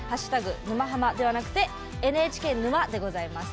＃沼ハマではなくて「＃ＮＨＫ沼」でございます。